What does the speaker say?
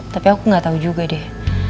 tapi aku nggak tahu juga deh